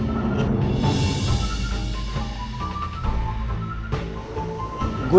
tapi gue harap lo bisa jujur sama gue